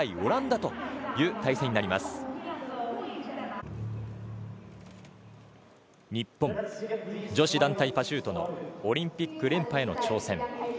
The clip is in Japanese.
日本女子団体パシュートのオリンピック連覇への挑戦。